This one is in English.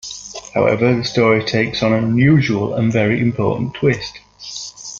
However, the story takes on an unusual and very important twist.